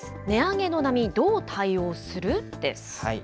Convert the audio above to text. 値上げの波、どう対応する？です。